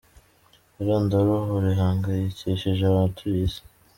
Irondaruhu rihangayikishije abatuye isi.